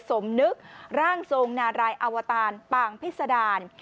สมนึกร่างทรงนารายอวตารป่างพิษดาร